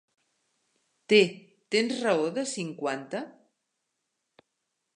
Té, tens raó de cinquanta?